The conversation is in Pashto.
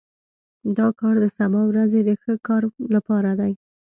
دا کار د سبا ورځې د ښه کار لپاره دی